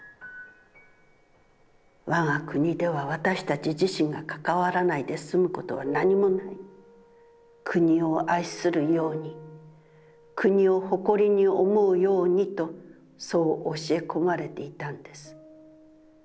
わが国では私たち自身が関わらないですむことは何もない、国を愛するように、国を誇りに思うようにと、そう教え込まれていたんです。